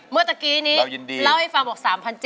เมื่อกี้นี้เล่าให้ฟังบอก๓๗๐